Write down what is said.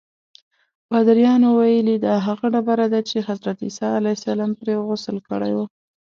پادریانو ویلي دا هغه ډبره ده چې حضرت عیسی پرې غسل کړی و.